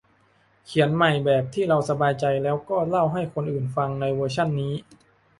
เขียนใหม่แบบที่เราสบายใจ แล้วก็เล่าให้คนอื่นฟังในเวอร์ชันนี้